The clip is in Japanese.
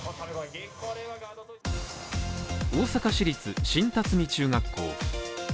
大阪市立新巽中学校